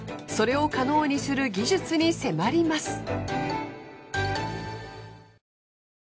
それを可能にする技術に迫ります。